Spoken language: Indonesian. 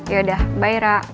yaudah bye ra